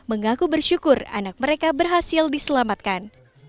mengaku bersyukur anak mereka berhasil diselamatkan